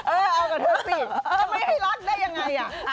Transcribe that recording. เออเอากับเธอสิบไม่ให้รักได้อย่างไร